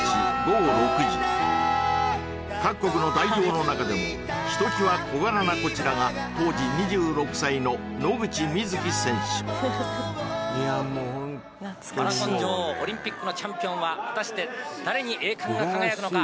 各国の代表の中でもひときわ小柄なこちらが当時２６歳の野口みずき選手マラソン女王オリンピックのチャンピオンは果たして誰に栄冠が輝くのか？